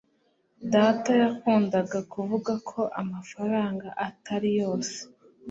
data yakundaga kuvuga ko amafaranga atari yose